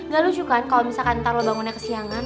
gak lucu kan kalo misalkan ntar lo bangunnya kesiangan